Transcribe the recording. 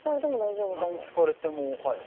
何聞かれてもはい。